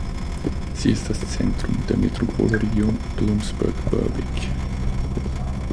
Sie ist das Zentrum der Metropolregion Bloomsburg–Berwick.